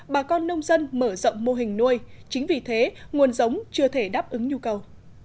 bà con nông dân mở rộng mô hình nuôi chính vì thế nguồn giống chưa thể đáp ứng nhu cầu